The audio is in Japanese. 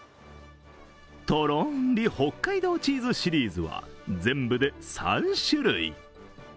とろり北海道チーズシリーズは全部で３種類。